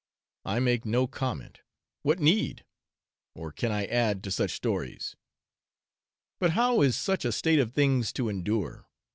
I make no comment; what need, or can I add, to such stories? But how is such a state of things to endure?